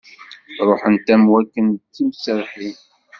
Ruḥent am waken d timserrḥin.